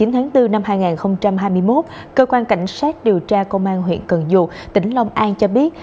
kính thưa quý vị ngày một mươi chín tháng bốn năm hai nghìn hai mươi một cơ quan cảnh sát điều tra công an huyện cần dụt tỉnh long an cho biết